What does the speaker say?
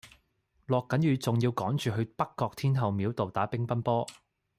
落緊雨仲要趕住去北角天后廟道打乒乓波